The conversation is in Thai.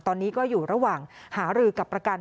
ตอนนี้ก็อยู่ระหว่างหารือกับประกัน